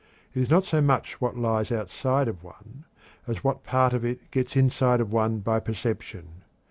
It is not so much what lies outside of one, as what part of it gets inside of one by perception.